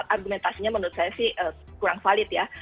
argumentasinya menurut saya sih kurang valid ya